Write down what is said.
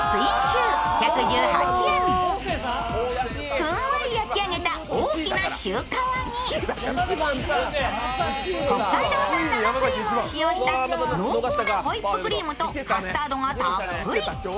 ふんわり焼き上げた大きなシュー皮に北海道産生クリームを使用した濃厚なホイップクリームとカスタードがたっぷり。